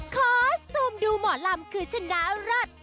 คอสตูมดูหมอลำคือชนะเลิศ